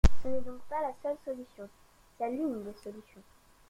Ce n’est donc pas la seule solution ; c’est une des solutions.